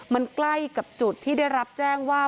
มันใกล้กับจุดที่ได้รับแจ้งว่า